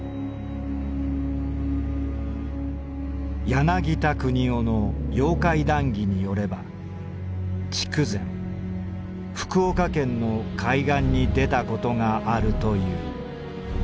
「柳田国男の『妖怪談義』によれば筑前福岡県の海岸に出たことがあるという。